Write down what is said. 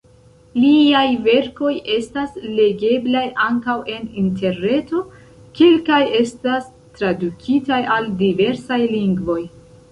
Liaj verkoj estas legeblaj ankaŭ en interreto, kelkaj estas tradukitaj al diversaj lingvoj.